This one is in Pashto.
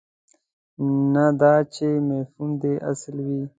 نه دا چې مفهوم دې اصل وي.